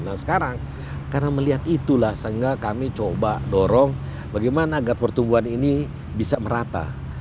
nah sekarang karena melihat itulah sehingga kami coba dorong bagaimana agar pertumbuhan ini bisa merata